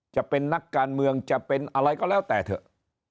จะเป็นนักการเมืองจะเป็นอะไรก็แล้วแต่เถอะ